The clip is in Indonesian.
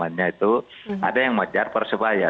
hanya itu ada yang mengejar persebaya